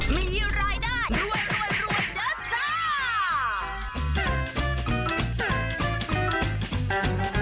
มีรายได้รวยรวยรวยเยอะจ้า